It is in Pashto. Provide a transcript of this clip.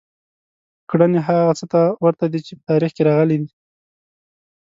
کړنې هغه څه ته ورته دي چې په تاریخ کې راغلي دي.